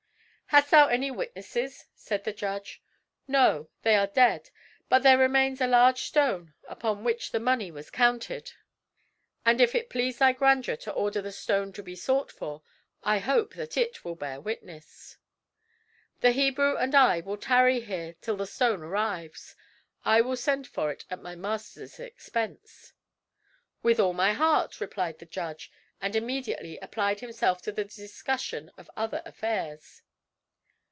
"Hast thou any witnesses?" said the judge. "No, they are dead; but there remains a large stone upon which the money was counted; and if it please thy grandeur to order the stone to be sought for, I hope that it will bear witness. The Hebrew and I will tarry here till the stone arrives; I will send for it at my master's expense." "With all my heart," replied the judge, and immediately applied himself to the discussion of other affairs.